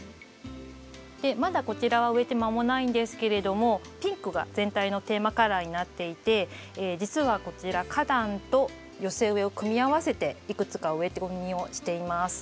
まだこちらは植えて間もないんですけれどもピンクが全体のテーマカラーになっていて実はこちら花壇と寄せ植えを組み合わせていくつか植え込みをしています。